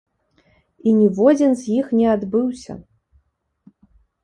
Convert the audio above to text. І ніводзін з іх не адбыўся!